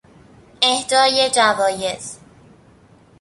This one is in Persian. اهدای جوایز